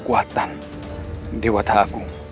saya akan inducturiku